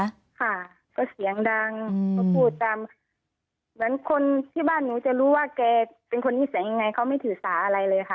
ค่ะก็เสียงดังก็พูดตามเหมือนคนที่บ้านหนูจะรู้ว่าแกเป็นคนนิสัยยังไงเขาไม่ถือสาอะไรเลยค่ะ